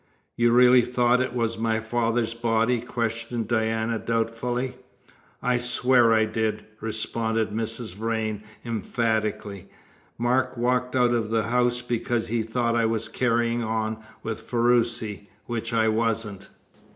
"You really thought it was my father's body?" questioned Diana doubtfully. "I swear I did," responded Mrs. Vrain, emphatically. "Mark walked out of the house because he thought I was carrying on with Ferruci, which I wasn't.